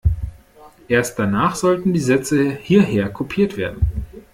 Erst danach sollten die Sätze hierher kopiert werden.